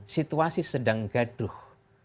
situasi sedang gaduh